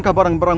kepala desa itu